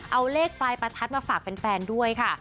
เอาเลขปลายประทัดมาฝากแฟนด้วยค่ะ